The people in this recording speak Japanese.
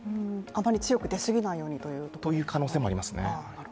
あまり強く出すぎないようにという？という可能性もありますね。